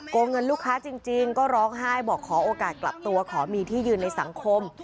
งเงินลูกค้าจริงก็ร้องไห้บอกขอโอกาสกลับตัวขอมีที่ยืนในสังคม